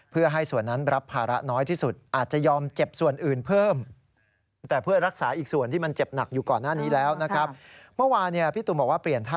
เพื่อให้ส่วนนั้นรับภาระน้อยที่สุดอาจจะยอมเจ็บส่วนอื่นเพิ่ม